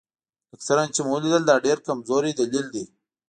لکه څرنګه چې ومو لیدل دا ډېر کمزوری دلیل دی.